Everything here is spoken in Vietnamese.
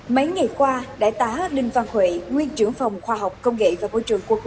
mấy ngày qua đại tá đinh văn huệ nguyên trưởng phòng khoa học công nghệ và môi trường của khu bảy